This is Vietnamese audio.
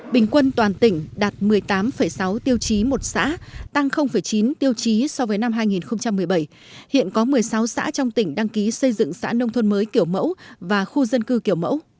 bình quân toàn tỉnh đạt một mươi tám sáu tiêu chí một xã tăng chín tiêu chí so với năm hai nghìn một mươi bảy hiện có một mươi sáu xã trong tỉnh đăng ký xây dựng xã nông thôn mới kiểu mẫu và khu dân cư kiểu mẫu